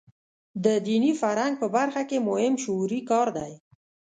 د دیني فرهنګ په برخه کې مهم شعوري کار دی.